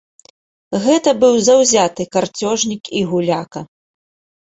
Гэта быў заўзяты карцёжнік і гуляка.